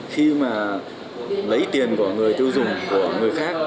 khi mà lấy tiền của người tiêu dùng của người khác